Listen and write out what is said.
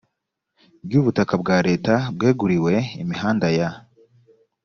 ry ubutaka bwa leta bweguriwe imihanda ya